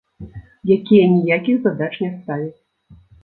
Якія ніякіх задач не ставяць.